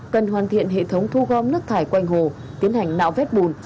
cần hoàn thiện hệ thống thu gom nước thải quanh hồ tiến hành nạo vét bùn